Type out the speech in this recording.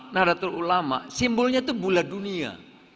nahdlatul ulama simbolnya itu bula dunia